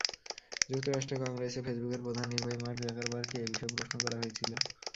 যুক্তরাষ্ট্রের কংগ্রেসে ফেসবুকের প্রধান নির্বাহী মার্ক জাকারবার্গকে এ বিষয়ে প্রশ্ন করা হয়েছিল।